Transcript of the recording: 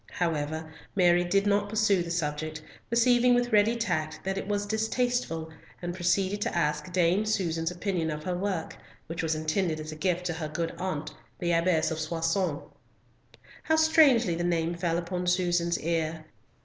However Mary did not pursue the subject, perceiving with ready tact that it was distasteful, and proceeded to ask Dame Susan's opinion of her work, which was intended as a gift to her good aunt, the Abbess of Soissons. How strangely the name fell upon Susan's ear.